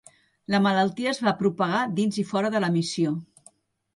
La malaltia es va propagar dins i fora de la missió.